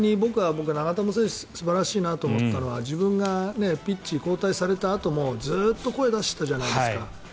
僕、長友選手素晴らしいなと思ったのは自分がピッチ、交代されたあともずっと声を出していたじゃないですか。